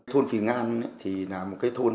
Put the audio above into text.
thôn phì ngan là một cái thôn